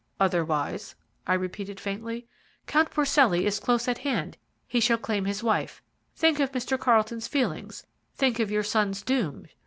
"'Otherwise?' I repeated faintly. "'Count Porcelli is close at hand he shall claim his wife. Think of Mr. Carlton's feelings, think of your son's doom.'